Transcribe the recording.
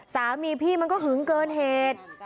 สามีพี่มันก็หึงเกินเหตุ